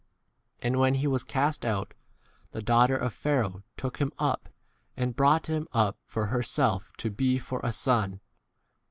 And when he was cast out, the daughter of Pharaoh took him up and brought him up for herself [to be] for a 23 son.